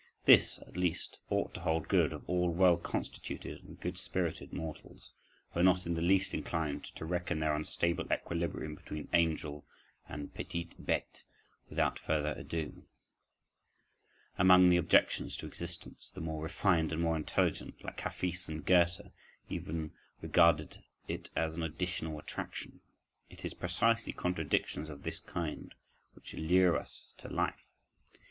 This, at least, ought to hold good of all well constituted and good spirited mortals, who are not in the least inclined to reckon their unstable equilibrium between angel and petite bête, without further ado, among the objections to existence, the more refined and more intelligent like Hafis and Goethe, even regarded it as an additional attraction. It is precisely contradictions of this kind which lure us to life.